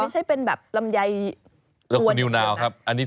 ไซส์ลำไย